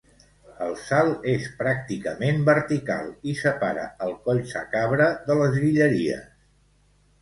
El salt és pràcticament vertical i separa el Collsacabra de les Guilleries.